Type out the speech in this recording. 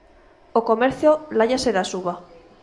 O comercio láiase da suba.